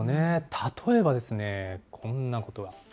例えばですね、こんなことが。